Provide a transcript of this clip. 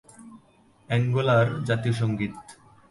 অ্যাঙ্গোলার জাতীয় সঙ্গীত।